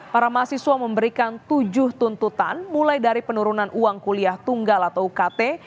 para mahasiswa memberikan tujuh tuntutan mulai dari penurunan uang kuliah tunggal atau ukt